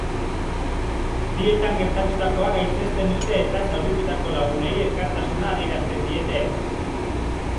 Bietan geratutakoa gaitzesten dute eta zauritutako lagunei elkartasuna adierazpen diete.